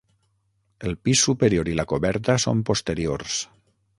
El pis superior i la coberta són posteriors.